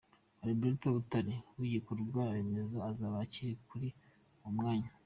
Albert Butare wibikorwa remezo azaba akiri kuri uwo mwanya.